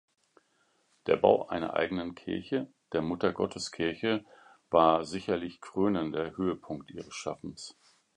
Der Bau einer eigenen Kirche, der Muttergotteskirche, war sicherlich krönender Höhepunkt ihres Schaffens.